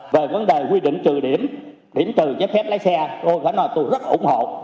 về vấn đề quy định trừ điểm điểm trừ giấy phép lái xe tôi vẫn nói tôi rất ủng hộ